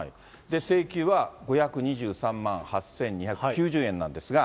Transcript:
請求は５２３万８２９０円なんですが。